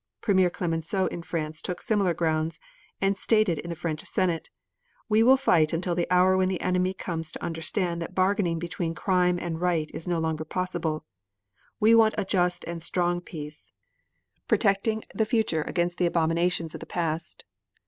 Premier Clemenceau in France took similar grounds, and stated in the French Senate: "We will fight until the hour when the enemy comes to understand that bargaining between crime and right is no longer possible. We want a just and a strong peace, protecting the future against the abominations of the past."